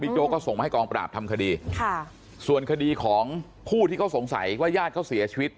โจ๊ก็ส่งมาให้กองปราบทำคดีค่ะส่วนคดีของผู้ที่เขาสงสัยว่าญาติเขาเสียชีวิต